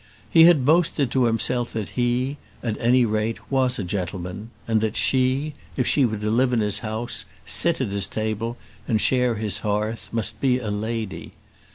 He had boasted to himself that he, at any rate, was a gentleman; and that she, if she were to live in his house, sit at his table, and share his hearth, must be a lady.